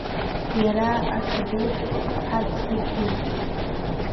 Иара аҽадеиԥш дҳадҵыгьлоит.